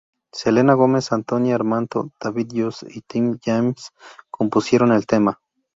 Selena Gomez, Antonina Armato, David Jost y Tim James compusieron el tema.